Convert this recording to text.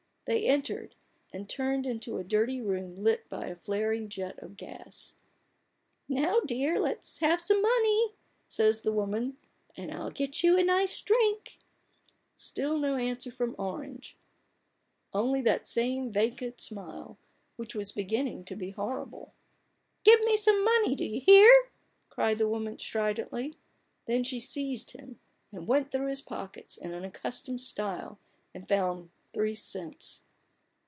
They entered, and turned into a dirty room lit by a flaring jet of gas. " Now, dear ; let's have some money," says the woman, "and I'll get you a nice drink." Still no answer from Orange : only that same vacant smile, which was beginning to be horrible. "Give me some money: do you hear!" cried the woman, stridently. Then she seized him, and went through his pockets in an accustomed style, and found three cents.